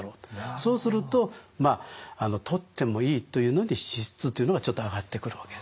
そうするとまあ「とってもいい」というのに脂質というのがちょっと挙がってくるわけですね。